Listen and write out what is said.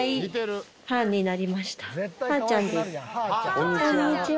こんにちは。